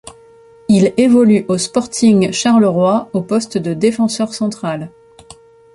Il évolue au Sporting Charleroi au poste de défenseur central.